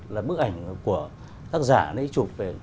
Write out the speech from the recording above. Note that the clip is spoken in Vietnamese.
là bức ảnh của tác giả đấy chụp về